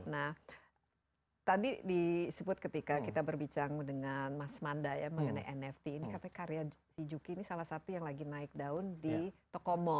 nah tadi disebut ketika kita berbicara dengan mas manda ya mengenai nft ini katanya karya si juki ini salah satu yang lagi naik daun di toko mall